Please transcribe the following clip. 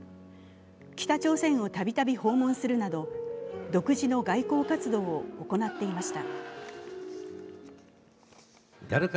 北朝鮮をたびたび訪問するなど独自の外交活動を行っていました。